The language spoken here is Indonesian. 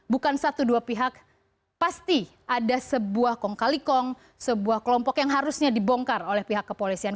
bukan satu dua pihak pasti ada sebuah kong kali kong sebuah kelompok yang harusnya dibongkar oleh pihak kepolisian